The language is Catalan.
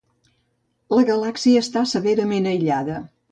La galàxia està severament aïllada.